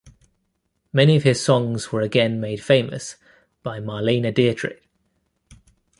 Many of his songs were again made famous by Marlene Dietrich.